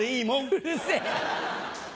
うるせぇ。